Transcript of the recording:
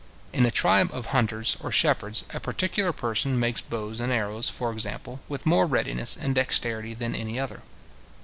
In a tribe of hunters or shepherds, a particular person makes bows and arrows, for example, with more readiness and dexterity than any other.